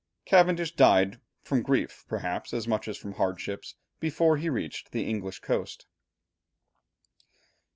Cavendish died, from grief perhaps as much as from hardships, before he reached the English coast.